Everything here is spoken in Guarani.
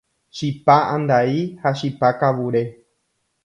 Chipa andai ha chipa kavure